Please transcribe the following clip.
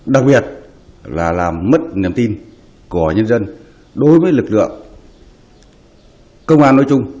đặc biệt là làm mất niềm tin của nhân dân đối với lực lượng công an nói chung